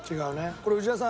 これ内田さん